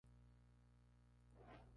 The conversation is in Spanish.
Al año siguiente recibió un doctorado.